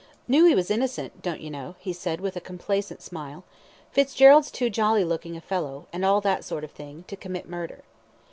"Knew he was innocent, don't you know," he said, with a complacent smile "Fitzgerald's too jolly good looking a fellow, and all that sort of thing, to commit murder."